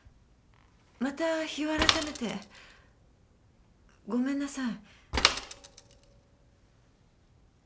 また日を改めて。ごめんなさい。